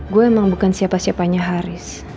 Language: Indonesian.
gue emang bukan siapa siapanya haris